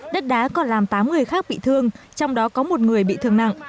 đất đá còn làm tám người khác bị thương trong đó có một người bị thương nặng